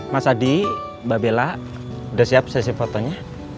mas adi mbak bella udah siap sesi fotonya